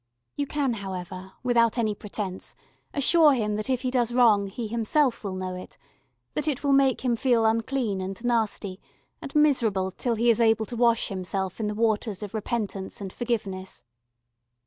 You can, however, without any pretence, assure him that if he does wrong he himself will know it, that it will make him feel unclean and nasty, and miserable till he is able to wash himself in the waters of repentance and forgiveness.